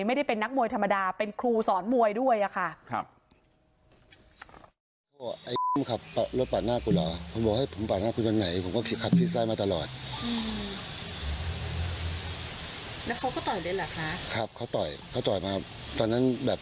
ไม่ได้เป็นนักมวยธรรมดาเป็นครูสอนมวยด้วยค่ะ